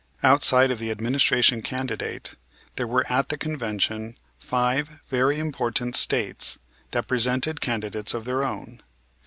Outside of the administration candidate there were at that Convention five very important States that presented candidates of their own.